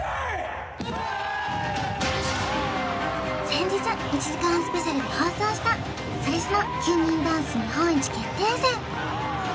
先日１時間スペシャルで放送したそれスノ９人ダンス日本一決定戦